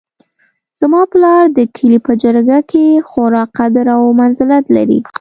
زما پلار د کلي په جرګه کې خورا قدر او منزلت لري